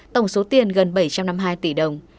tổng số tiền gần bảy trăm năm mươi hai tỷ đồng